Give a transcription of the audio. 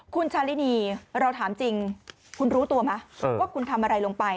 คุณชาลินีเราถามจริงคุณรู้ตัวไหมว่าคุณทำอะไรลงไป